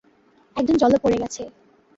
একজন জলে পড়ে গেছে!